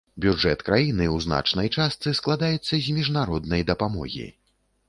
Бюджэт краіны ў значнай частцы складаецца з міжнароднай дапамогі.